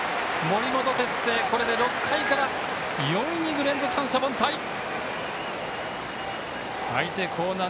森本哲星、これで６回から４イニング連続で三者凡退。